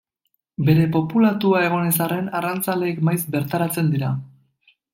Bere populatua egon ez arren, arrantzaleek maiz bertaratzen dira.